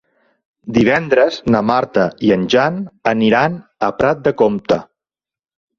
Divendres na Marta i en Jan aniran a Prat de Comte.